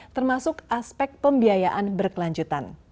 termasuk aspek pembiayaan berkelanjutan